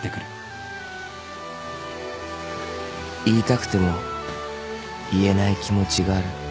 ［言いたくても言えない気持ちがある］